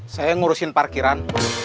saya ngurusin parkiran